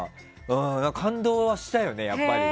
感動はしたよね、やっぱり。